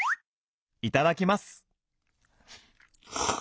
いただきます！